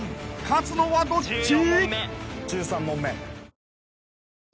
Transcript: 勝つのはどっち？］